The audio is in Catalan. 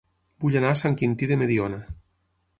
Vull anar a Sant Quintí de Mediona